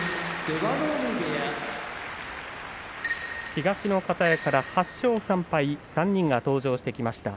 東の方屋から８勝３敗３人が登場してきました。